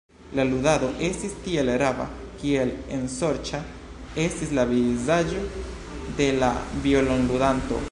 La ludado estis tiel rava, kiel ensorĉa estis la vizaĝo de la violonludanto.